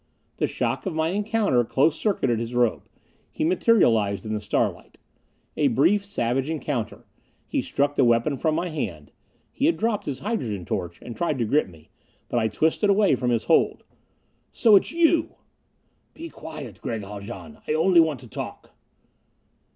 The shock of my encounter close circuited his robe; he materialized in the starlight. A brief, savage encounter. He struck the weapon from my hand. He had dropped his hydrogen torch, and tried to grip me. But I twisted away from his hold. "So it's you!" "Be quiet, Gregg Haljan! I only want to talk."